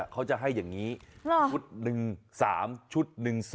เขาจะให้อย่างนี้ชุด๑๓ชุด๑๒